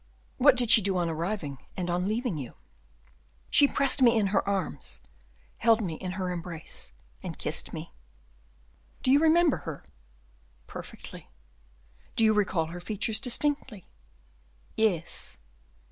"What did she do on arriving, and on leaving you?" "She pressed me in her arms, held me in her embrace, and kissed me." "Do you remember her?" "Perfectly." "Do you recall her features distinctly?" "Yes."